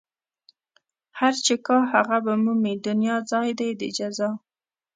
هر چې کا هغه به مومي دنيا ځای دئ د جزا